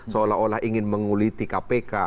seolah olah ingin menguliti kpk